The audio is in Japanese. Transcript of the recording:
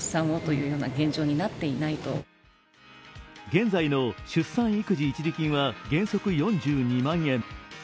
現在の出産育児一時金は原則４２万円。